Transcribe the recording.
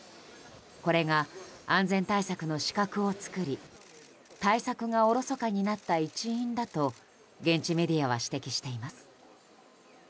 これが、安全対策の死角を作り対策がおろそかになった一因だと現地メディアは指摘しています。